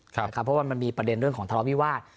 เพราะว่ามันมีประเด็นเรื่องของทะเลาวิวาส